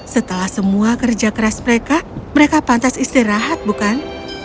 setelah semua kerja keras mereka mereka pantas istirahat bukan